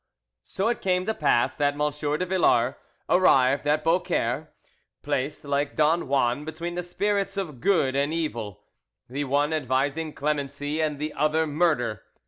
So it came to pass that M. de Villars arrived at Beaucaire placed like Don Juan between the spirits of good and evil, the one advising clemency and the other murder.